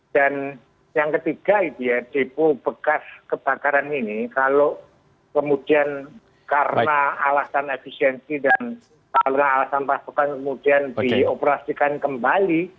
dan yang ketiga itu ya depo bekas kebakaran ini kalau kemudian karena alasan efisiensi dan karena alasan pasukan kemudian dioperasikan kembali